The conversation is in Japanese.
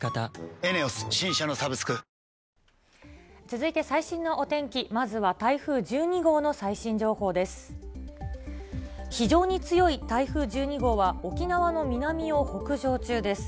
続いて最新のお天気、まずは台風１２号の最新情報です。